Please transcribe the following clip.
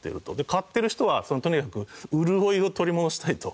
買ってる人はとにかく潤いを取り戻したいと。